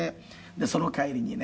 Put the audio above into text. その帰りにね